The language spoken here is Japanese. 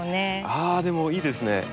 ああでもいいですね。